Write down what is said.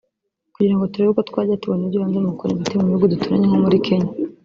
kugira ngo turebe uko twajya tubona iby’ibanze mu gukora imiti mu bihugu duturanye nko muri Kenya